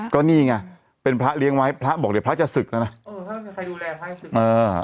ก็นี่ไงเป็นพระเลี้ยงไว้พระบอกเดี๋ยวพระจะศึกแล้วนะเออถ้าไม่มีใครดูแลพระจะศึก